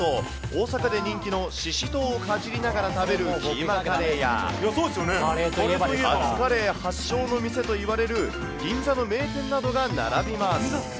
大阪で人気のししとうをかじりながら食べるキーマカレーや、カレーといえばカツカレー発祥の店といわれる銀座の名店などが並どうする？